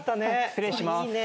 失礼します。